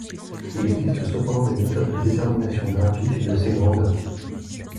Il existe cependant des méthodes de détermination graphique de ces grandeurs.